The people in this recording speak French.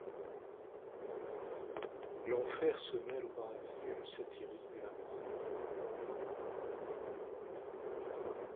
L’enfer se mêle au paradis, et le satirique à la morale.